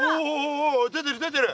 おお出てる出てる！